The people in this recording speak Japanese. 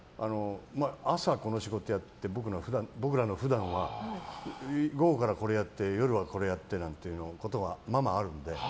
朝、この仕事をやって僕らの普段は午後からこれやって夜はこれやってなんてことがまあまああるんで。